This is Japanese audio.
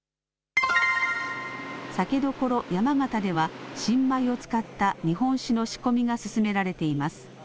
酒どころ山形では新米を使った日本酒の仕込みが進められています。